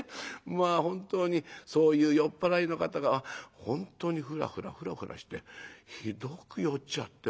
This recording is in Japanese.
まあ本当にそういう酔っ払いの方が本当にふらふらふらふらしてひどく酔っちゃって。